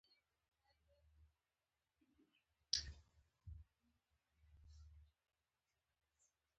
ازادي راډیو د مالي پالیسي په اړه د سیمینارونو راپورونه ورکړي.